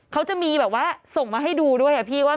เขาจะมีแบบว่าส่งมาให้ดูด้วยอะพี่ว่า